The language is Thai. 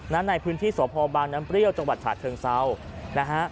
ในพื้นที่สพบางน้ำเปรี้ยวจังหวัดฉะเชิงเซานะฮะ